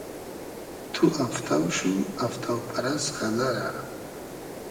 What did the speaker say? تو افتۆ شو , افتۆ پئرئس غئدئرۂ